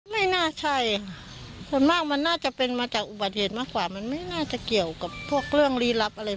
ไม่น่าใช่ส่วนมากเป็นมาจากอุบัติเหตุมากกว่าไม่น่าจะเกี่ยวกับเรื่องรีรับอะไรพวกนี้